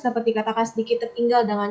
dapat dikatakan sedikit tertinggal dengan